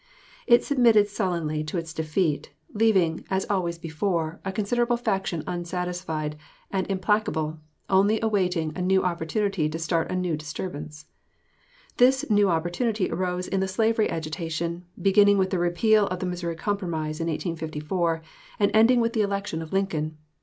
It submitted sullenly to its defeat; leaving, as always before, a considerable faction unsatisfied and implacable, only awaiting a new opportunity to start a new disturbance. This new opportunity arose in the slavery agitation, beginning with the repeal of the Missouri Compromise in 1854, and ending with the election of Lincoln.